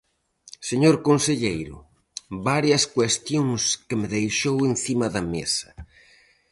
Señor conselleiro, varias cuestións que me deixou encima da mesa.